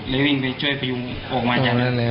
แล้ววิ่งไปช่วยประยุงออกมาจากนั้น